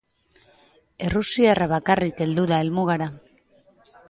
Errusiarra bakarik heldu da helmugara.